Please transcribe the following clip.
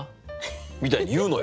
みたいに言うのよ。